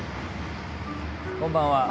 こんばんは。